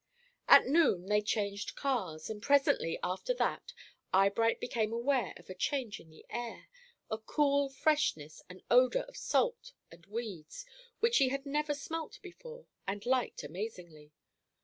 About noon, they changed cars, and presently after that Eyebright became aware of a change in the air, a cool freshness and odor of salt and weeds, which she had never smelt before, and liked amazingly.